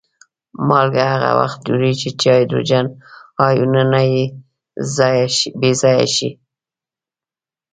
مالګه هغه وخت جوړیږي چې هایدروجن آیونونه بې ځایه شي.